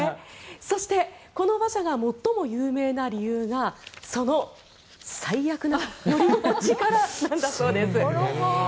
そしてこの馬車が最も有名な理由がその最悪な乗り心地からなんだそうです。